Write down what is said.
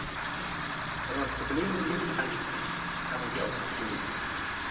Wenn man Probleme nicht anspricht, kann man sie auch nicht lösen.